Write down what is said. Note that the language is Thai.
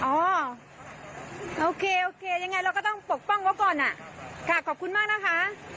โอเคโอเคยังไงเราก็ต้องปกป้องไว้ก่อนอ่ะค่ะขอบคุณมากนะคะ